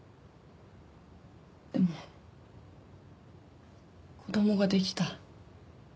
でも子供ができた。